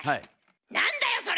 何だよそれ！